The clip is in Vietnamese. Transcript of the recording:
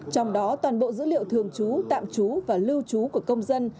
trong đó toàn bộ dữ liệu thường trú tạm trú và lưu trú của công dân